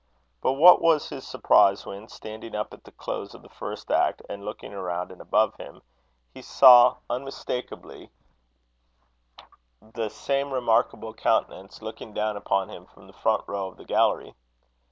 But what was his surprise when, standing up at the close of the first act, and looking around and above him, he saw, unmistakeably, the same remarkable countenance looking down upon him from the front row of the gallery.